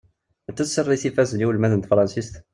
Anta-tt tarrayt ifazen i ulmad n tefransist?